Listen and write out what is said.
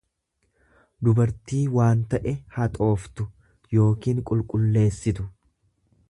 dubartii waan ta'e haxooftu yookiin qulqulleessitu.